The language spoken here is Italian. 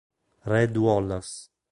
Red Wallace